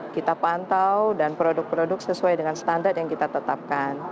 kita pantau dan produk produk sesuai dengan standar yang kita tetapkan